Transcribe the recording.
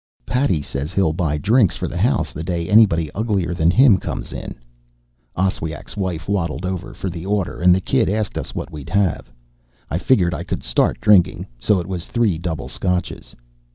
"Paddy says he'll buy drinks for the house the day anybody uglier than he is comes in." Oswiak's wife waddled over for the order and the kid asked us what we'd have. I figured I could start drinking, so it was three double scotches.